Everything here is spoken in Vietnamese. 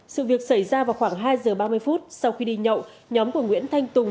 sự việc xảy ra vào khoảng hai giờ ba mươi phút sau khi đi nhậu nhóm của nguyễn thanh tùng